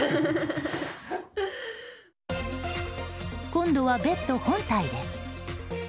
今度は、ベッド本体です。